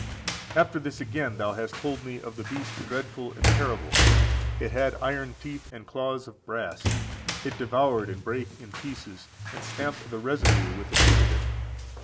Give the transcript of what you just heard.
33. After this again thou hast told me of the beast dreadful and terrible. "It had iron teeth and claws of brass: it devoured and brake in pieces, and stamped the residue with the feet of it."